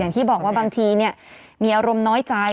ที่บอกว่าบางทีเนี่ยมีอารมณ์น้อยใจ